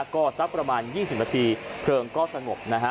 ก็สักประมาณ๒๐นาทีเผลิงก็สะหมบ